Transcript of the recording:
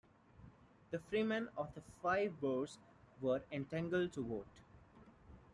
The freemen of the five boroughs were entitled to vote.